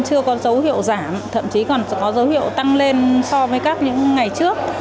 chưa có dấu hiệu giảm thậm chí còn có dấu hiệu tăng lên so với các những ngày trước